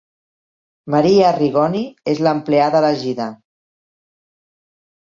Marie Arrigoni és l'empleada elegida.